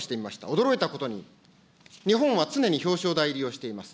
驚いたことに、日本は常に表彰台入りをしています。